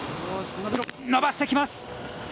伸ばしてきます。